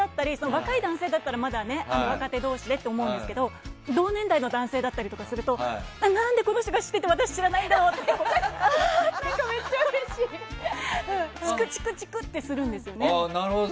若い男性だったらまだ若手同士でって思うんですけど同年代の男性だったりすると何でこの人は知ってるのに私は知らないんだろうとチクチクチクってするんですよね。